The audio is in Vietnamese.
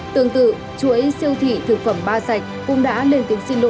tương tự chuỗi siêu thị thực phẩm ba sạch cũng đã lên tiếng xin lỗi người tiêu dùng